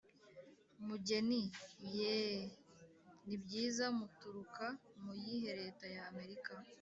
mugeni: yeee! ni byiza. muturuka mu yihe leta ya amerika?